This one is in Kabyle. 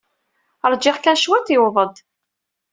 Ṛjiɣ kan cwiṭ, yuweḍ-d.